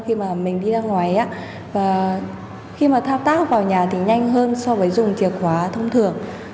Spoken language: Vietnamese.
khi mà mình đi ra ngoài và khi mà thao tác vào nhà thì nhanh hơn so với dùng chìa khóa thông thường